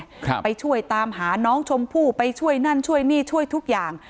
ครับไปช่วยตามหาน้องชมพู่ไปช่วยนั่นช่วยนี่ช่วยทุกอย่าง